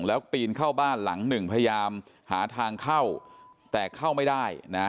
แล้วปีนเข้าบ้านหลังหนึ่งพยายามหาทางเข้าแต่เข้าไม่ได้นะ